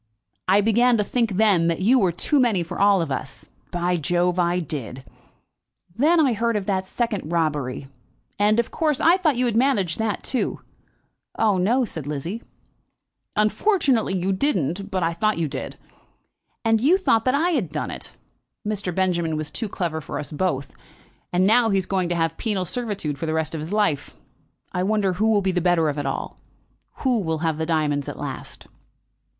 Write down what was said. I began to think then that you were too many for all of us. By Jove, I did! Then I heard of the second robbery, and, of course, I thought you had managed that too." "Oh, no," said Lizzie "Unfortunately you didn't; but I thought you did. And you thought that I had done it! Mr. Benjamin was too clever for us both, and now he is going to have penal servitude for the rest of his life. I wonder who will be the better of it all. Who'll have the diamonds at last?"